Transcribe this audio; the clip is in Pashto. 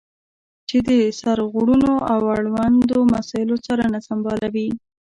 چې د سرغړونو او اړوندو مسایلو څارنه سمبالوي.